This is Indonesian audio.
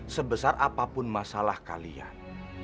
sebesar apapun masalah kalian